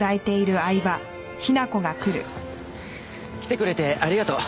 来てくれてありがとう。